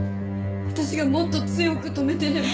私がもっと強く止めていれば。